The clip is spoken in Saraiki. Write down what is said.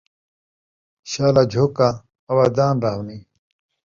شالا جھوکاں اآوادان رہونیں